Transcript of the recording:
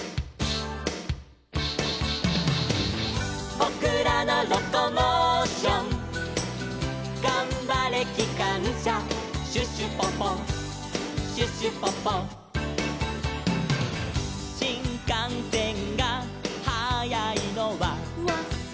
「ぼくらのロコモーション」「がんばれきかんしゃ」「シュシュポポシュシュポポ」「しんかんせんがはやいのは」